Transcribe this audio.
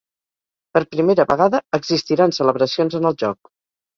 Per primera vegada, existiran celebracions en el joc.